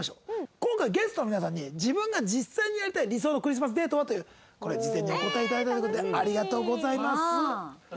今回ゲストの皆さんに「自分が実際にやりたい理想のクリスマスデートは？」というこれ事前にお答え頂いたという事でありがとうございます。